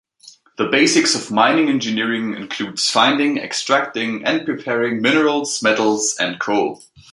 The basics of mining engineering includes finding, extracting, and preparing minerals, metals and coal.